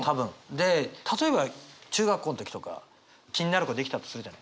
で例えば中学校の時とか気になる子出来たとするじゃない。